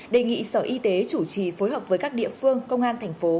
đề nghị sở y tế chủ trì phối hợp với các địa phương công an thành phố